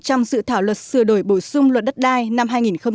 trong dự thảo luật sửa đổi bổ sung luật đất đai năm hai nghìn một mươi ba